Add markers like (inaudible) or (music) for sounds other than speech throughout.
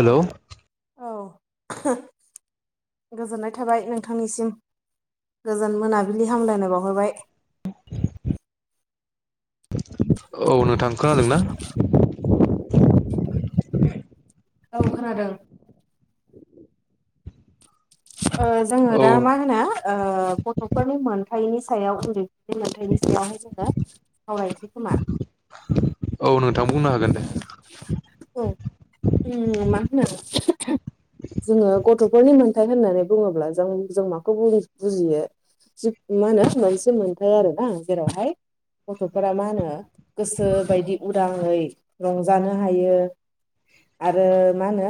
औ (inaudible) गोजोननाय थाबाय नोंथांनिसिम गोजोन मोनाबिलि हामलायनाय बावहरबाय। औ नोंथां खोनादों ना? (inaudible) औ खोनादों। ओ जोङो औ दा मा होनो ओ गथ'फोरनि मोन थायनि सायाव उन्दैफोरनि मोनथाइनि सायावहाय जोङो सावरायनसै खोमा। औ नोंथां बुंनो हागोन दे। औ उम मा होनो जोङो गथ' थाय होननानै बुङोब्ला जों जों माखौ बु- बुजियो जि मा होनो मोनसे मोनथाय आरो ना जेरावहाय गथ'फोरा मा होनो गोसो बायदि उदाङै रंजानो हायो। आरो मा होनो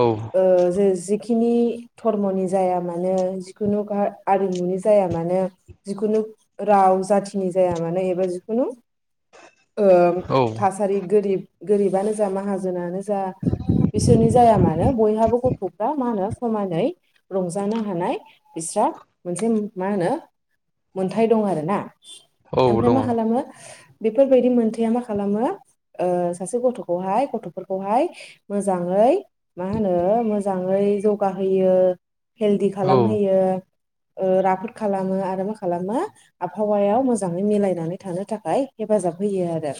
औ ओ जे जिखिनि धर्मनि जाया मानो जिखुनु हा आरिमुनि जाया मानो जिखुनु राव गाव जाथिनि जाया मानो एबा जिखुनु ओ औ थासारि गोरिब- गोरिबानो जा माहाजोनानो जा बिसोरनि जाया मानो बयहाबो गथ'फ्रा मा होनो समानै रंजानो हानाय बिस्रा मोनसे नि मा होनो मोनथाय दं आरोना। औ ओमफ्राय दङ मा खालामो बेफोरबायदि मोनथाया मा खालामो ओ सासे गथ'खौहाय गथ'फोरखौहाय मोजाङै मा होनो मोजाङै जौगाहोयो हेलदि औ खालाम होयो। ओ राफोद खालामो आरो मा खालामो आबहावायाव मोजाङै मिलायनानै थानो थाखाय हेफाजाब होयो आरो।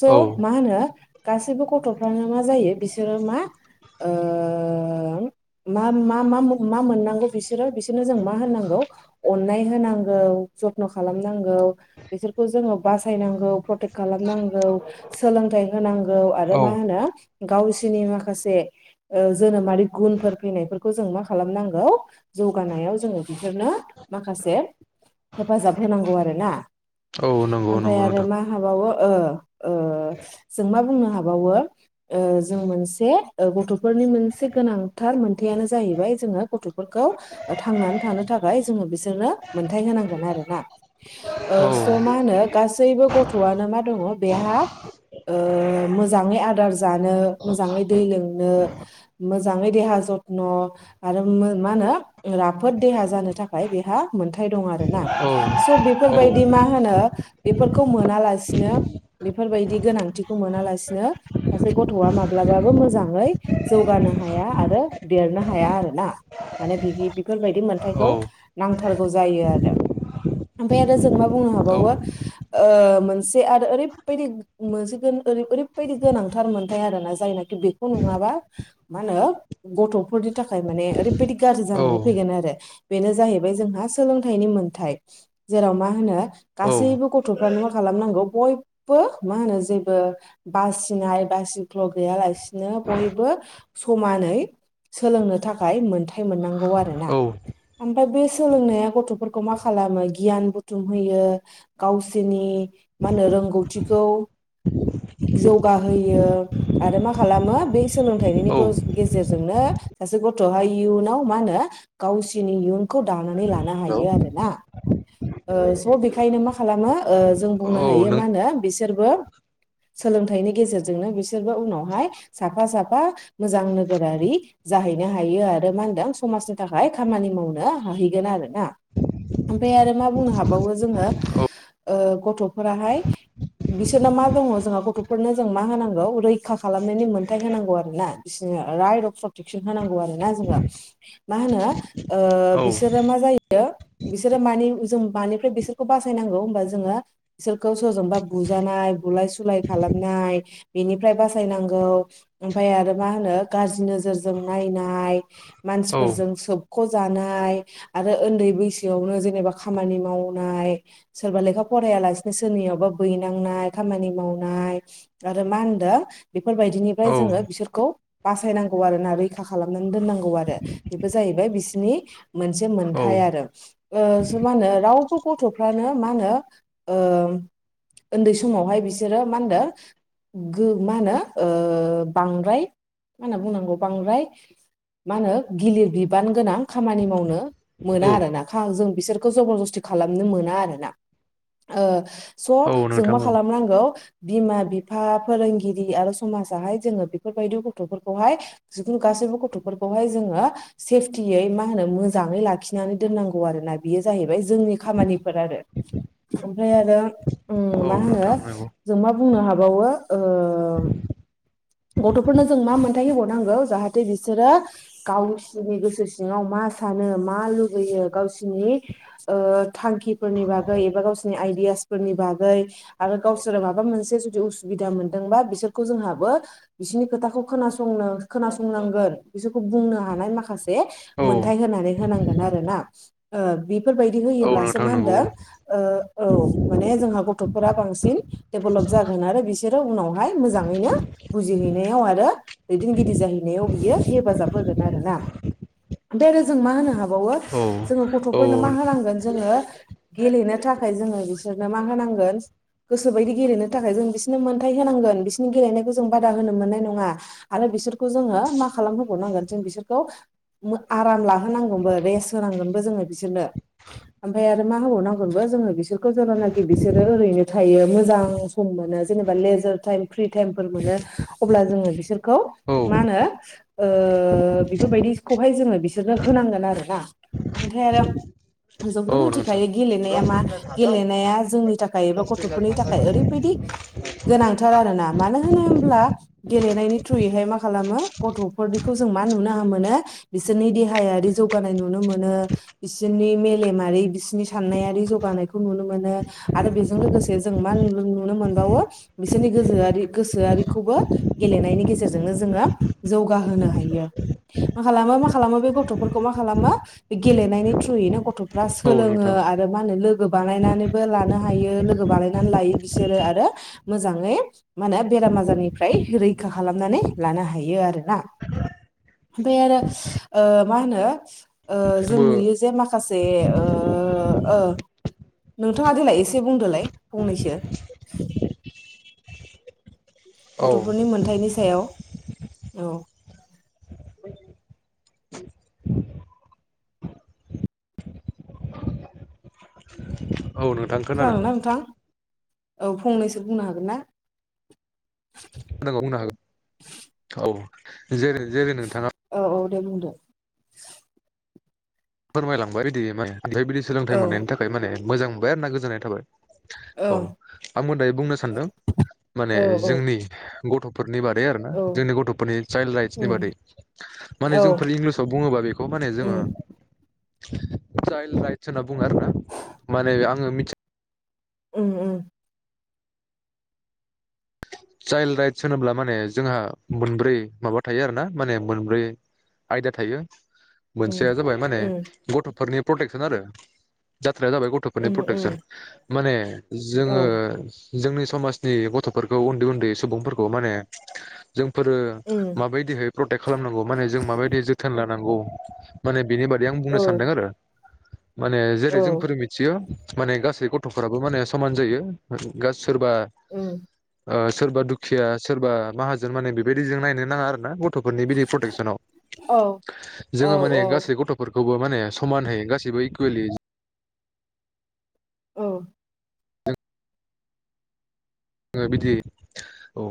स' औ मा होनो गासैबो गथ'फ्रानो मा जायो बिसोरो मा ओ मा- मा- मा- मा-मोननांगौ बिसोरो बिसोरनो जों मा होनांगौ अननाय होनांगौ जथ्न' खालामनांगौ बेसोरखौ जोङो बासायनांगौ प्रटेक्ट खालामनांगौ सोलोंथाइ होनांगौ आरो औ मा होनो गावसोरनि माखासे ओ जोनोमारि गुनफोर फैनायफोरखौ जों मा खालामनांगौ जौगानायाव जोङो बिसोरनो माखासे हेफाजाब होनांगौ आरोना। औ नंगौ ओमफाय नंगौ आरो नोंथां मा हाबावो ओ ओ जों मा बुंनो हाबावो ओ जों मोनसे ओ गथ' फोरनि मोनसे गोनांथार मोनथायानो जाहैबाय जोङो गथ'फोरखौ थांनानै थानो थाखाय जों बिसोरनो मोनथाय होनांगोन आरोना ओ औ स मा होनो गासैबो गथ'आनो मा दङ बेहा ओ मोजाङै आदार जानो मोजाङै दै लोंनो मोजाङै देहा जथ्न' आरो मा होनो राफोद देहा जानो थाखाय बेहा मोनथाय दं आरोना। औ स' औ बेफोरबायदि मा होनो फोरखौ मोनालासिनो बेफोरबायदि गोनांथिखौ मोनालासिनो सासे गथ'आ माब्लाबा बाबो मोजाङै जौगानो हाया आरो देरनो हाया आरोना। माने बिदि बेफोरबायदि औ मोन्थायखौ नांथारगौ जायो आरो। ओमफाय आरो जों मा बुंनो हाबावो ओ मोनसे आरो ओरैबायदि मोनसे गोन ओरैबायदि गोनांथार मोनथाय आरोना जायना खि बेखौ नङाबा मा होनो गथ'फोरनि थाखाय माने ओरै बायदि गाज्रि औ जानानै फैगोन आरो। बेनो जाहैबाय जोंहा सोलोंथाइनि मोनथाय जेराव मा होनो गासैबो गथ थ'फ्रानो मा खालामनांगौ बयबो मा होनो जेबो बासिनाय बासिख्ल' गैया ला सिनो बयबो समानै सोलोंनो थाखाय मोनथाय मोननांगौ आरोना। औ ओमफ्राय बे सोलोंनाया गथ'फोरखौ मा खालामो गियान बुथुम होयो। गावसोरनि मा होनो रोंगौथिखौ (unintelligible) जौगाहोयो आरो मा खालामो बे सोलोंथाइनि गेजेरजोंनो सासे गथ'हाय इयुनाव मा होनो गावसिनिनो इयुनखौ दानानै लानो हायो आरोना। ओ स' बेखायनो मा खालामो जों बुंनो हायो नों मा होनो बिसोरबो सोलोंथाइनि गेजेरजोंनो बिसोरबो उनावहाय साफा साफा मोजां नोगोरारि जाहैनो हायो आरो मा होनदों समाजनि थाखाय खामानि मावनो हाहैगोन आरो ना। ओमफ्राय आरो मा बुंनो हाबावो जोङो औ ओ‌ गथ'फोराहाय बिसोरना मा दङ जोंहा गथ'फोरनो जों मा होनांगौ रैखा खालामनायनि मोनथाय होनांगौ आरोना बिसोरनो राय अफ प्रटेकसन होनांगौ आरोना जोङो मा होनो? ओ औ बिसोरो मा जायो बिसोरो मानि जों मानिफ्राय बिसोर खौ बासायनांगौ होमबा जोङो बिसोरखौ सोरजोंबा बुजानाय बुलाय सुलाय खालामनाय बेनिफ्राय बासायनांगौ ओमफ्राय आरो मा होनो गाज्रि नोजोरजों नायनाय मानसिफोरजों सोबख' जानाय आरो उन्दै बैसोआवनो जेनेबा खामानि मावनाय। सोरबा लेखा फरायालासिनो सोरनियावबा बैनांनाय खामानि मावनाय, आरो मा होनो? बेफोरबायदिनिफ्राय जोङो बिसोरखौ बासायनांगौ आरोना रैखा खालामनानै दोननांगौ आरो। बेबो जाहैबाय बिसिनि मोनसे औ मोनथाय आरो ओ मा होनो रावबो गथ' फ्रानो मा होनो ओ उन्दै समावहाय बिसोरो मा होनदो? मा होनो अ बांद्राय मा होनना बुंनांगौ बांद्राय मा होनो? गिलिर बिबान गोनां खामानि मावनो मोना आरोोना खा जों बिसोरखौ जबर जस्थि खालामनो मोना आरोोना। स औ जों नोंथां मा खालामनांगौ बिमा बि फा फोरोंगिरि आरो समाजाहाय जोङो बेफोरबायदि गथफोरखौहाय गासैबो गथफोरखौ। (unintelligible) (unintelligible) आरो औ मा होनो? नोंथां नंगौ बुंनो हाबावो ओ गथफोरनो जों मा मोनथाय हरनांगौ जाहाथे बिसोरो गावसिोरनि गोसो सिङाव मा सानो मा लुबैयो गावसिोरनि थांख नि बागै एबा गावसोरनि आइदियास फोरनि बागै आरो गावसोर माबा मोनसे जुदि उसुबिदा मोनदों बिसोरखौ जोंाबो बिसोरनि खोथ खोनंांगोन बिसोरखौ बुंनो ह औ होननानै होनांगोनोन बेफोर होयोो औ मा नोंथां नंगौ होन ा औ माने जोंहा गथफोरा बांसिन डेभेलप जागोन आरो बिसोरो उनाव हाय मोजाङैनो बुजिहैनायाव आरो दैदेनगिरि जाहैनायाव बियो हेफाजाब होगोन आरो। दा बे आरो जों मा होनो हाबावो औ जोङो औ गथफोरनो मा होनांगोन जोङो। गेलेनो थाखाय जोङो बिसोरनो मा होनांगोन? गोसो बायदि गेलेनो थाखाय जों बिसोरनो मोनथाय होनांगोन बिसोरनि गेलेनायखौ जों बादा होनो मोननाय नङा आरो। बिोर जो माांगोन ज बिोर आर लाांग रेस होनांगोन बो जोङो बिसोरनो ओमफाय आरो मा होबावनांगोनबो जोङो बिसोरखौ जेेलि बिसोरो ओरैनो थायो मोजां सम मोनो जेनेबा म फ्रि टाइमफोर मोनो अब्ला जोङो बिसोरखौ औ मा होनो? बेफोरबायदिखौहाय जोङो बिसोरनो होनांगोन आरोोना ओमफ्राय आरो जोंथ औ मिथि बेओंखायनो गेलेनाया मा नोंथां गेलेनाया जोंनि थाखाय एबा औ गथ'फोरनि थाखाय ओरैबायदि गोनांथार आरोना मानो होन ह्ला गेलेनायनि थ्रुयैहाय मा खालामो गथ'फोरनिखौ जोङो मा नुनो मोनो? बिसोरनि देहायारि जौगानाय नुनो मोनो बिसोरनि मेलेमारि बिस बिनि साननायारि जौगानायखौ नुनो मोनो आरो बेजों लोगोसे जों मा नुनो मोनबावो बि बिसोरनि गोोआि गोसोआरिखौबो गेलेनायनि गेजेरजोंनो जोङो जौगाहोनो हायो। मा खालामो मा खालामो बे गथ'फोरखौ मा खालामो बे गेलेनायनि थ्रुयैनो गथफ्रा सोलोोंङ नोंथां आरो मा होनो लोगो बानायनानैबो लानो हायो लोगो बानायनानै लायो बिसोरो आरो मोजां म होन बेराम आजारनिफ्राय रैखा खालामनानै लानो हायो आरोोना। ओमफ्राय आरो ओ मा होनो जों आंबो नुयो जे माखासे ओ ओ ओ। नोंथाङा देलाय एसे बुंदोलाय फंनैसो औ गथ'फोरनि मोनथायनि सायाव औ। नोंथां खोनादों खोनाना नोंथां? औ फंनैसो बुंनो हागोन ना? खोनादों बुंनो हागोन औ जेरै जेरै नोंथाङा (unintelligible) फोरमायलांबाय बिदि माने ओमफ्राय बिदि सोलोंथाइ औ मोननायनि थाखाय माने मोजां मोनबाय आरो ना गोजोननाय थाबाय। औ आंबो दायो बुंनो सानदों माने औ औ जोंनि गथ'फोर नि बादै आरो ना औ जोंनि गथ'फोरनि चाइल् राइसनि बादै औ माने जोंफोर इंलिसाव बुङोबा बे माने उम चाइल राइस होनना बुङो आरोोना माने आङो मि उम उम। चाइल्ड राइट्स होनोब्ला माने जोंहा मोनब्रै माबा थायो आरो ना माने मोनब्रै आयदा थायो उम मोनसेया जाबाय माने उम गथफोरनि प्रटेकसन आरोे जात बाथ्राया जाबाय गथफोरनि उम प्रटेकसन माने औ जोङो जोंनि समाजनि गथ'फोरखौ उन्दै उन्दै सुबुंफोरखौ माने जोंफोरो औ माबायदिहै प्रटेक्ट खालामनांगौ माने जों माबायदि जोथोन लानांगौ माने बेनि बादै आं बुंनो सानदों आरो। माने औ जेरै जोंफोर मिथियो माने गासै गथफोराबो माने समान जायो गास सोरबा औ ओ सोरबा दुखिया सोरबा माहाजोन माने बेबायदिजों नायनो नाङा आरो ना गत गथ'फोरनि बिदि प्रटेकसनाव औ जोङो माने गासै गथ'फोर खौबो माने समान होय गासैबो इकुवेलि औ। औ बिदि औ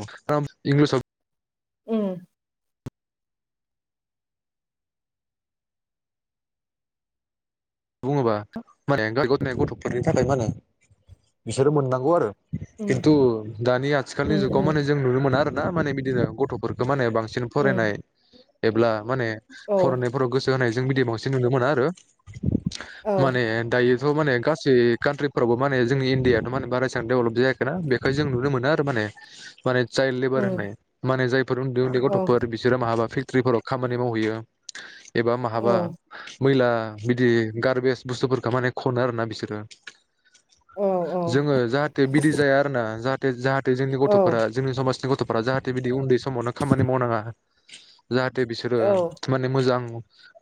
इंलिसाव उम। बुङोबा माने (unintelligible) गथ'फोरनि थाखाय माने बिसोरो मोननांगौ आरो। खिन्थु दानि आथिखालनि जुगाव माने जों नुनो मोना आरोना माने बिदिनो गथ'फोरखौ माने बां सिन फरायनाय एब्ला माने फरायनायफोराव गोसो होनायजों बिदिमावसिन नुनो मोना आरो औ माने दायो थ' माने गासै कान्ट्रिफ्रावबो माने जोंनि इण्डियानो मान बायसेबां डेभलप जायाखै ना बेखाय जों नु मोन आरो माने। माने जाय लेबार होननाय माने जायफोर उन्दै उन्दै गथ'फोर बिसोर माहाबा ट्रिफोराव खामानि मावहैयो एबा माहाबा मैला बिदि गारबेज बुस्थुफोरखौ माने खनो आरोना बिसोरो। जोङो जाहाथे बिदि जाया आरोना जाहाथे जाहाथे जे जोंनि गथ'फोरा जोंनि समाजनि गथ'फोरा जाहाथे बिदि उन्दै समावनो खामानि मावनाङा जाहाथे बिसोरो माने मोजां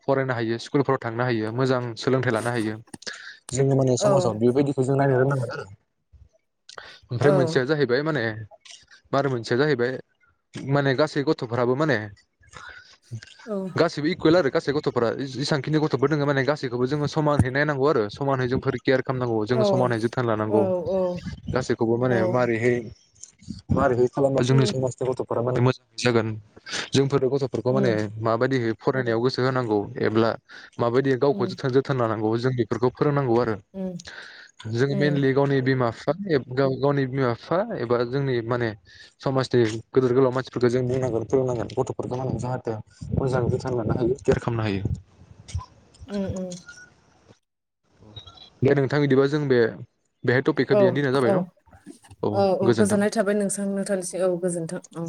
फरायनो हायो स्कुलफोराव थांनो हायो। मोजां सोलोंथाइ लानो हायो जोङो माने समाजाव बेबायदिखौ जों नायनो रोंनांगौ। ओमफ्राय मोनसेया जाहैबाय माने बारु मोनसेया जाहैबाय माने गासै गथ'फोराबो माने गासैबो इकुवेल आरो गासै गथ'फोरा जेसांखिनि गथ'खौ नोङो माने समानहै मावनांगौ आरो। समानै जोंफोर केयार खालामनांगौ जोङो समानै जोथोन लानांगौ औ गासैखौबो माने माबारैहाय मारैहाय खालामबा जोंनि समाजनि गथ'फोरा माने मोजां जागोन जों फोर गथ'फोरखौ माने माबायदि फरायनायाव गोसो होनांगौ एब्ला माबायदि जोथ जोथोन लानांगौ जों बेफोरखौ फोरोंनांगौ आरो जोङो मेइनलि गावनि बिमा बिफा एबा गावनि बिमा बिफा एबा जोंनि माने समाजनि गोदोर गोलाव मानसिफोरखौ जों फोरोंनांगोन गथ'फोरखौ माने जाहाथे मोजाङै जोथोन लानो हायो केयार खालामनो हायो। ओम ओम। दे नोंथां इदिबा जों बे बेहाय टपिकखौ औ बियावनो दोननाय जाबाय औ न' औ औ गोजोननाय थाबाय नोंसां नोंथांनिसिम औ गोजोन्थों औ